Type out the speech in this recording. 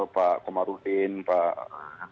pak komarudin pak